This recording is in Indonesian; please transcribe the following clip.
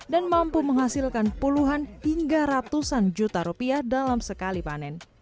dan mampu menghasilkan puluhan hingga ratusan juta rupiah dalam sekali panen